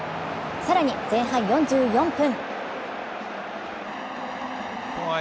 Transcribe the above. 更に前半４４分。